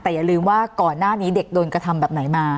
แต่อย่าลืมว่าก่อนหน้านี้เด็กโดนกระทำแบบไหนมา